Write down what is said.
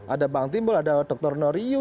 ada bank timbul ada dr noriyu